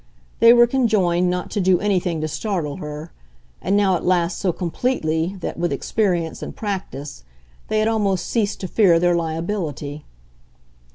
They were conjoined not to do anything to startle her and now at last so completely that, with experience and practice, they had almost ceased to fear their liability.